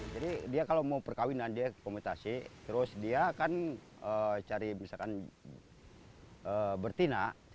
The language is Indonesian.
pada saat perkawinan dia komentasi terus dia akan cari misalkan bertina